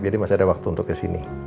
jadi masih ada waktu untuk kesini